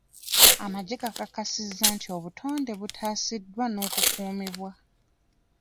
Amagye gakakasizza nti obutonde butaasiddwa n'okukuumibwa.